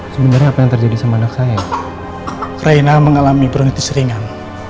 sebenarnya apa yang terjadi sama anak saya raina mengalami pronotis ringan